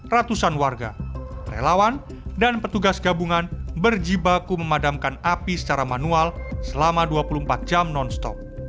ratusan warga relawan dan petugas gabungan berjibaku memadamkan api secara manual selama dua puluh empat jam non stop